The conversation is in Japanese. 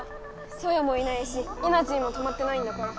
ソヨもいないしエナジーもたまってないんだから。